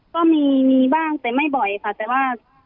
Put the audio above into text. ก็มีบ้างแต่ไม่บ่อยค่ะ